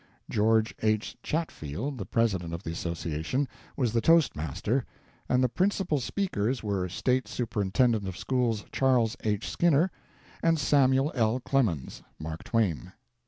George H. Chatfield, the President of the association, was the toastmaster, and the principal speakers were State Superintendent of Schools Charles H. Skinner and Samuel L. Clemens, (Mark Twain.)